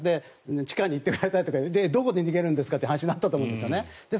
地下に行ってもらいたいとかどこで逃げるんですかという話になったと思ったんです。